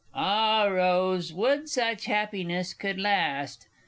Ah, Rose, would such happiness could last!